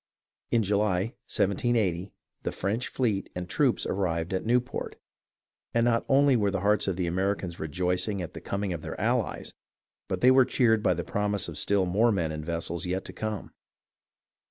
In July, 1780, the French fleet and troops arrived at Newport, and not only were the hearts of the Americans rejoiced at the coming of their allies, but they were cheered by the promise of still more men and vessels yet to come.